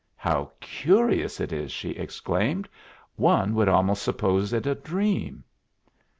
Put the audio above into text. "How curious it is!" she exclaimed. "One would almost suppose it a dream."